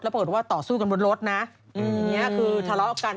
แล้วปรากฏว่าต่อสู้กันบนรถนะอย่างเนี่ยคือทะเลาะกัน